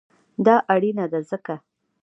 دا اړینه ده ځکه: